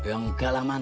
enggak lah man